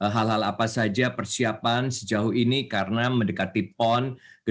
hal hal apa saja persiapan sejauh ini karena mendekati pon ke dua puluh